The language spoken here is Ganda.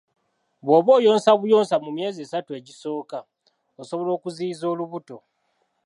Bw'oba oyonsa buyonsa mu myezi esatu egisooka, osobola okuziyiza olubuto.